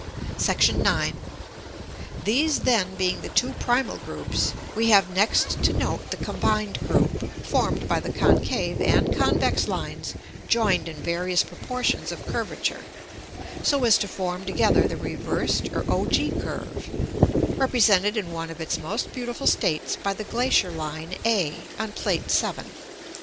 § IX. These then being the two primal groups, we have next to note the combined group, formed by the concave and convex lines joined in various proportions of curvature, so as to form together the reversed or ogee curve, represented in one of its most beautiful states by the glacier line a, on Plate VII.